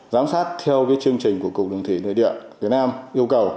giám sát theo chương trình của cục đường thủy nội địa việt nam yêu cầu